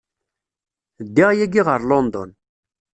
Ddiɣ yagi ɣer London.